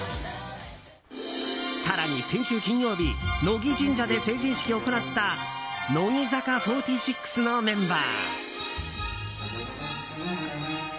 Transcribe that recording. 更に、先週金曜日乃木神社で成人式を行った乃木坂４６のメンバー。